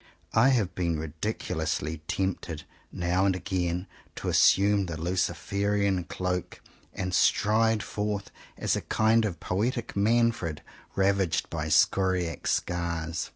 I have been ridiculously tempted now and again to assume the Luciferian cloak and stride forth as a kind of poetic Manfred, ravaged by scoriae scars.